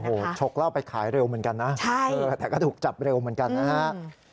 โอ้โหชกแล้วไปขายเร็วเหมือนกันนะแต่ก็ถูกจับเร็วเหมือนกันนะฮะ